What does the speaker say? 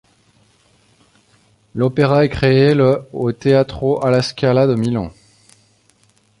L'opéra est créé le au Teatro alla Scala de Milan.